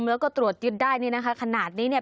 แล้วก็ตรวจยึดได้ขณะนี้เนี่ย